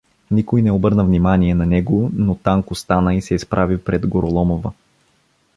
Никой не обърна внимание на него, но Танко стана и се изправи пред Гороломова.